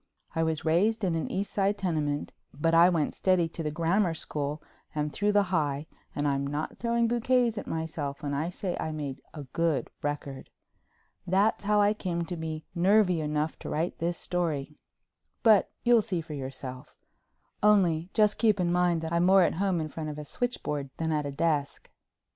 I was raised in an East Side tenement, but I went steady to the Grammar school and through the High and I'm not throwing bouquets at myself when I say I made a good record. That's how I come to be nervy enough to write this story—but you'll see for yourself. Only just keep in mind that I'm more at home in front of a switchboard than at a desk.